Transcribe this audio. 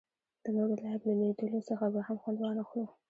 د نورو له عیب له لیدلو څخه به هم خوند وانخلو.